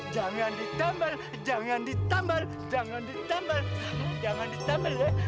jangan ditambal jangan ditambal jangan ditambal jangan ditambal ya